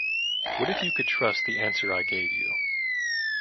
What if you could trust the answer I gave you